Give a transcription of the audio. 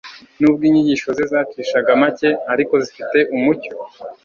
nubwo inyigisho ze zacishaga make ariko zifite umucyo.